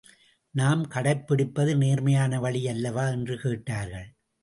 நாம் கடைப்பிடிப்பது நேர்மையான வழி அல்லவா? என்று கேட்டார்கள்.